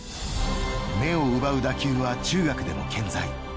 目を奪う打球は中学でも健在。